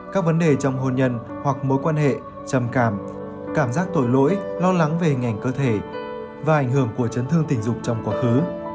các vấn đề trong hôn nhân hoặc mối quan hệ trầm cảm giác tội lỗi lo lắng về ngành cơ thể và ảnh hưởng của chấn thương tình dục trong quá khứ